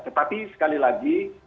tetapi sekali lagi